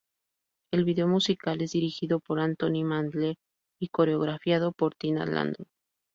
El video musical es dirigido por Anthony Mandler y coreografiado por Tina Landon.